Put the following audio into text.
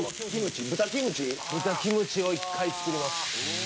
「豚キムチを一回作ります」